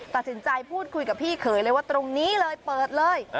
ตัดสินใจพูดคุยกับพี่เขยเลยว่าตรงนี้เลยเปิดเลย